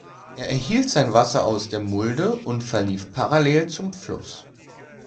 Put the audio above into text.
Er erhielt sein Wasser aus der Mulde und verlief parallel zum Fluss.